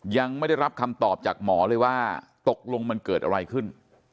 ยังไม่ได้รับคำตอบจากหมอเลยว่าตกลงมันเกิดอะไรขึ้น